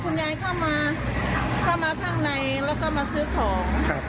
คุณยายเข้ามาข้างในแล้วก็มาซื้อของ